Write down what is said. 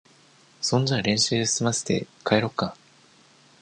そんじゃ練習すませて、帰ろっか。